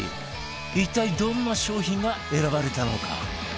一体どんな商品が選ばれたのか？